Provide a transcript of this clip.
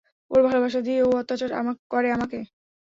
ওর ভালোবাসা দিয়ে ও অত্যাচার করে আমাকে।